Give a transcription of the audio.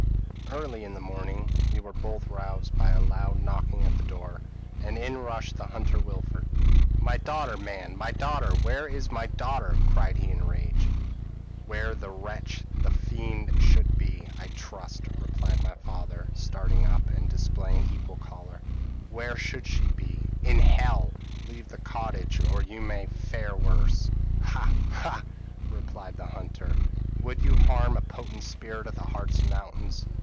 p> "Early in the morning we were both roused by a loud knocking at the door, and in rushed the hunter Wilfred. "'My daughter man my daughter! where is my daughter?' cried he in a rage. "'Where the wretch, the fiend, should be, I trust,' replied my father, starting up, and displaying equal choler; 'where she should be in hell! Leave this cottage, or you may fare worse.' "'Ha ha!' replied the hunter, 'would you harm a potent spirit of the Hartz Mountains.